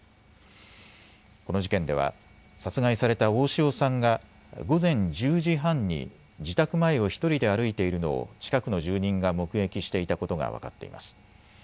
この事件では殺害された大塩さんが午前１０時半に自宅前を１人で歩いているのを近くの住人が目撃していたことが分かっています。